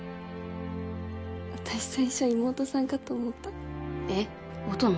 私最初妹さんかと思ったえっ音の？